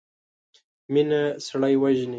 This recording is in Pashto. مينه سړی وژني.